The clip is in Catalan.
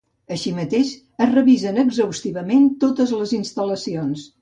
Així mateix, es revisen exhaustivament totes les instal·lacions.